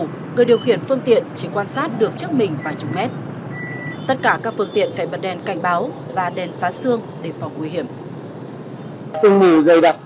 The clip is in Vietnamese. người điều khiển phương tiện chỉ quan sát được chức mình vài chục mét